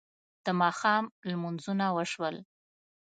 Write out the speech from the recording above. د ماښام لمونځونه وشول.